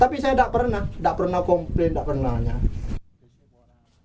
tapi saya tidak pernah tidak pernah komplain tidak pernahnya